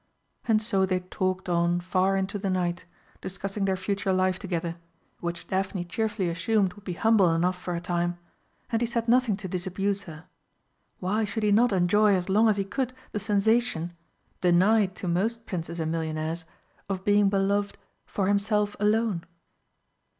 And so they talked on far into the night, discussing their future life together, which Daphne cheerfully assumed would be humble enough for a time and he said nothing to disabuse her. Why should he not enjoy as long as he could the sensation denied to most princes and millionaires of being beloved "for himself alone?"